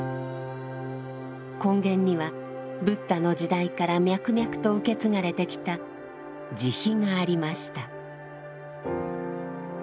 根源にはブッダの時代から脈々と受け継がれてきた慈悲がありました。